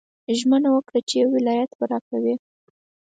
ژمنه وکړه چې یو ولایت به راکوې.